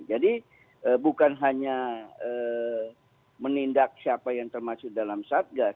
jadi bukan hanya menindak siapa yang termasuk dalam satgas